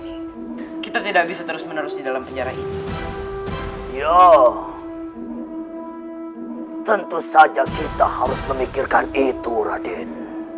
itu saja kita harus memikirkan itu raden